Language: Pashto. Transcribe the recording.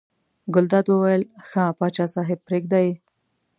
ګلداد وویل ښه پاچا صاحب پرېږده یې.